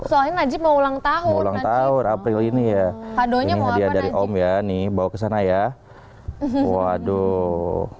soalnya najib mau ulang tahun ulang tahun april ini ya hadiah dari om ya nih bawa kesana ya waduh